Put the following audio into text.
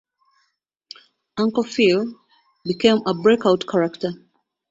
Uncle Phil became a breakout character.